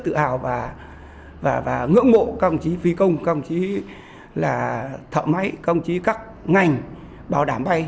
họ cũng cảm thấy rất tự hào và ngưỡng mộ công chí phi công công chí thợ máy công chí các ngành bảo đảm bay